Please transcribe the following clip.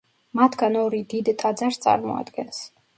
მათგან ორი დიდ ტაძარს წარმოადგენს.